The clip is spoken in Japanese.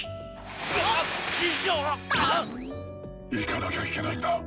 行かなきゃいけないんだ。